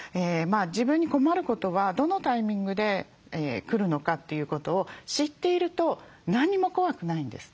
自分に困ることはどのタイミングで来るのかということを知っていると何も怖くないんです。